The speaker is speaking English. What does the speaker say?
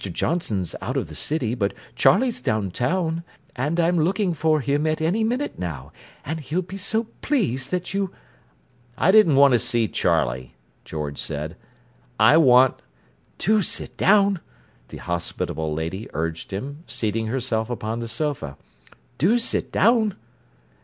Johnson's out of the city, but Charlie's downtown and I'm looking for him at any minute, now, and he'll be so pleased that you—" "I didn't want to see Charlie," George said. "I want—" "Do sit down," the hospitable lady urged him, seating herself upon the sofa. "Do sit down."